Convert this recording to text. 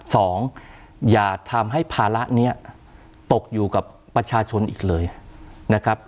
สองอย่าทำให้ภาระนี้ตกอยู่กับประชาชนอีกเลยนะครับ